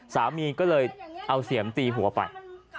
สามีก็เลยเอาเสียมตีหัวไป